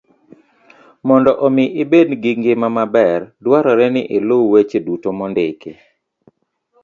Mondo omi ibed gi ngima maber, dwarore ni iluw weche duto mondiki